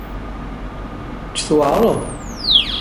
Kečč tweɛṛeḍ.